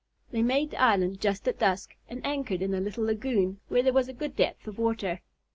They made the island just at dusk, and anchored in a little lagoon, where there was a good depth of water.